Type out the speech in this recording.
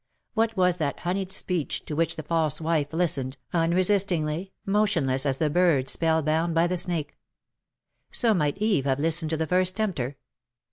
What was that honeyed speech, to which the false wife listened, unresistingly, motionless as the bird spell bound by the snake. So might Eve have listened to the first tempter.